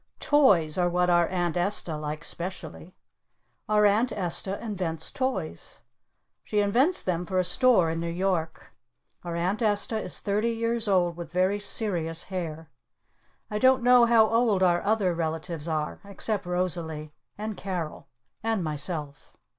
Toys are what our Aunt Esta likes specially. Our Aunt Esta invents toys. She invents them for a store in New York. Our Aunt Esta is thirty years old with very serious hair. I don't know how old our other relatives are except Rosalee! And Carol! And myself!